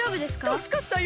たすかったよ